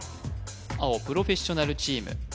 青プロフェッショナルチーム